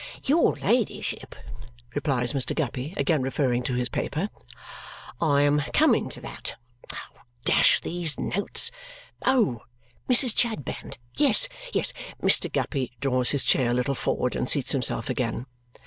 "Your ladyship," replies Mr. Guppy, again referring to his paper, "I am coming to that. Dash these notes! Oh! 'Mrs. Chadband.' Yes." Mr. Guppy draws his chair a little forward and seats himself again.